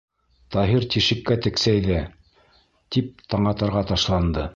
Таһир тишеккә тексәйҙе. — тип Таңатарға ташланды.